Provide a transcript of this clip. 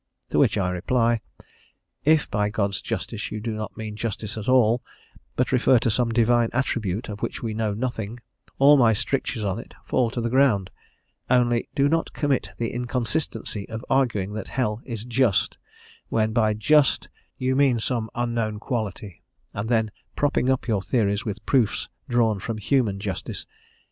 To which I reply: "If by God's justice you do not mean justice at all, but refer to some Divine attribute of which we know nothing, all my strictures on it fall to the ground; only, do not commit the inconsistency of arguing that hell is just, when by 'just' you mean some unknown quality, and then propping up your theories with proofs drawn from human justice.